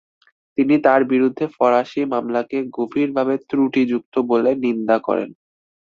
তিনি তাঁর বিরুদ্ধে ফরাসি মামলাকে গভীরভাবে ত্রুটিযুক্ত বলে নিন্দা করেন।